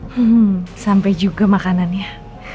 hmm sampai juga makanannya